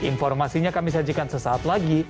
informasinya kami sajikan sesaat lagi